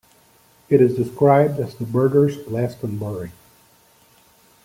It is described as the birder's "Glastonbury".